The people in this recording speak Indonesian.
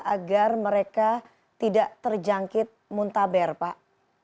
agar mereka tidak terjangkit muntaber pak